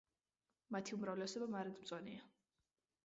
მათი უმრავლესობა მარადმწვანეა.